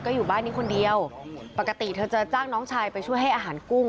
อยู่บ้านนี้คนเดียวปกติเธอจะจ้างน้องชายไปช่วยให้อาหารกุ้ง